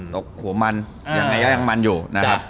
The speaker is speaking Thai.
ตกหัวมันยังมันอยู่นะครับ